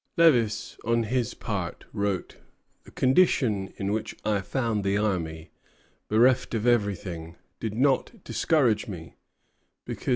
Lévis, on his part, wrote: "The condition in which I found the army, bereft of everything, did not discourage me, because M.